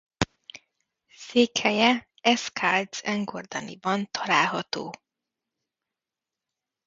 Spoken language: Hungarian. Székhelye Escaldes-Engordanyban található.